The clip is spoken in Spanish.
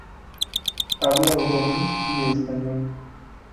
Habla otomí y español.